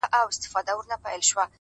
واه واه. خُم د شرابو ته راپرېوتم. بیا.